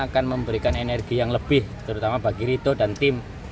dan memberikan energi yang lebih terutama bagi rito dan tim